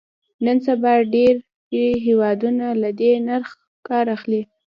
نن سبا ډېری هېوادونه له دې نرخ کار اخلي.